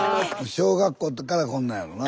小学校からこんなんやろな。